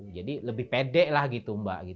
jadi lebih pede lah gitu mbak